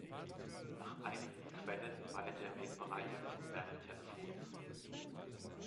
Nach einigen Quellen war er der Wegbereiter des modernen Telefons.